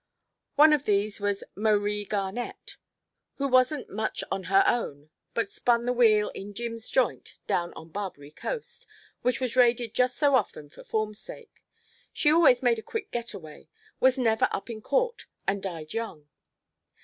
One of these was Marie Garnett, who wasn't much on her own but spun the wheel in Jim's joint down on Barbary Coast, which was raided just so often for form's sake. She always made a quick getaway, was never up in court, and died young.